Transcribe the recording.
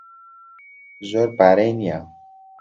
زۆر پارەی نییە.